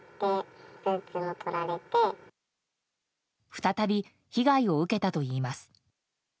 再び、被害を受けたといいます。